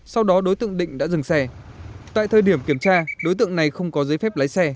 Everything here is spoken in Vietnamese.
sau đó đối tượng định đã dừng xe tại thời điểm kiểm tra đối tượng này không có giấy phép lái xe